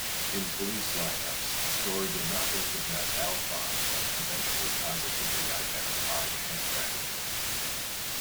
In police line-ups, Storie did not recognise Alphon, but eventually positively identified Hanratty.